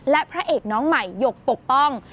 และพระเอกน้องใหม่หยกปกป้อง